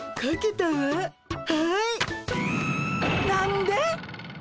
何で！？